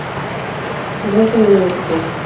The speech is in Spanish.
Se trata de un ave pequeña.